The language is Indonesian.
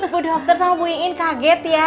bu dokter sama bu iin kaget ya